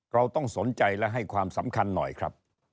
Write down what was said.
เราต้องสนใจและให้ความสำคัญหน่อยครับ